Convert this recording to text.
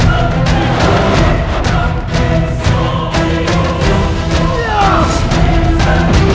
aku saya bisa menjauhkan dirimu